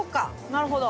なるほど。